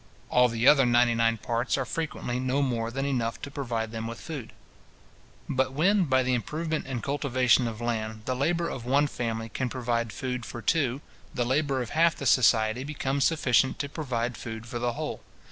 All the other ninety nine parts are frequently no more than enough to provide them with food. But when, by the improvement and cultivation of land, the labour of one family can provide food for two, the labour of half the society becomes sufficient to provide food for the whole.